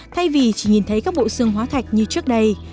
thay vì chỉ nhìn thấy các bộ xương hóa thạch như trước đây